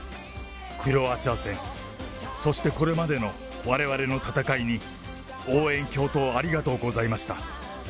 クロアチア戦、そしてこれまでのわれわれの戦いに応援、共闘、ありがとうございました。